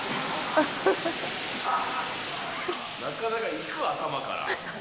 なかなかいく？頭から。